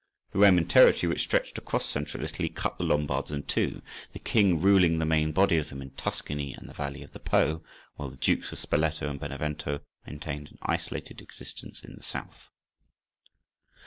The Roman territory which stretched across Central Italy cut the Lombards in two, the king ruling the main body of them in Tuscany and the valley of the Po; while the dukes of Spoleto and Benevento maintained an isolated existence in the south.